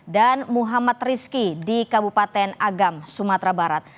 dan muhammad rizki di kabupaten agam sumatera barat